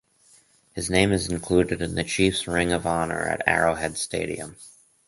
His name is included in the Chiefs' ring of honor at Arrowhead Stadium.